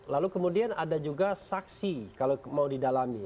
lalu kemudian ada juga saksi kalau mau didalami